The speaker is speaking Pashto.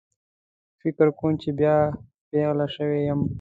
فکر کوم چې بیا پیغله شوې یم